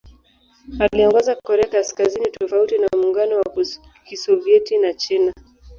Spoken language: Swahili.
Aliongoza Korea Kaskazini tofauti na Muungano wa Kisovyeti na China.